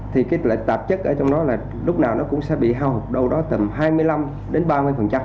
thì cái tạp chất ở trong đó là lúc nào nó cũng sẽ bị hầu đâu đó tầm hai mươi năm đến ba mươi